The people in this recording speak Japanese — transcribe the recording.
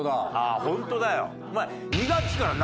ホントだよお前。